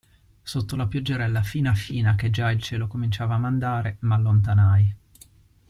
Sotto la pioggerella fina fina che già il cielo cominciava a mandare, m'allontanai.